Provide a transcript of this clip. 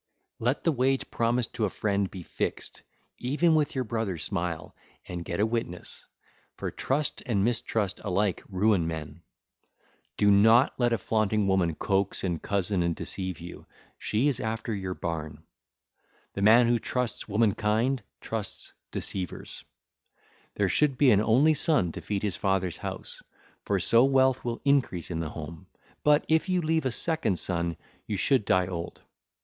(ll. 370 372) Let the wage promised to a friend be fixed; even with your brother smile—and get a witness; for trust and mistrust, alike ruin men. (ll. 373 375) Do not let a flaunting woman coax and cozen and deceive you: she is after your barn. The man who trusts womankind trusts deceivers. (ll. 376 380) There should be an only son, to feed his father's house, for so wealth will increase in the home; but if you leave a second son you should die old.